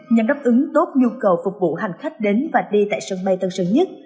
nhằm đáp ứng tốt nhu cầu phục vụ hành khách đến và đi tại sân bay tân sơn nhất